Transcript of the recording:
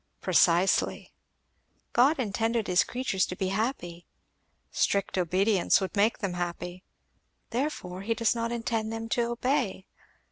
"Precisely. "'God intended his creatures to be happy. "'Strict obedience would make them unhappy. "'Therefore, he does not intend them to obey.'"